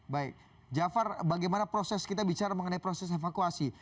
baik jafar bagaimana proses kita bicara mengenai proses evakuasi